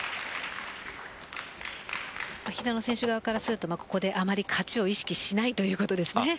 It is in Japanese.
平野選手側からするとここであまり勝ちを意識しないということです。